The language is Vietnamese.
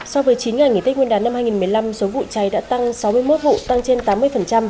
so với chín ngày nghỉ tết nguyên đán năm hai nghìn một mươi năm số vụ cháy đã tăng sáu mươi một vụ tăng trên tám mươi